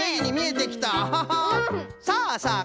さあさあ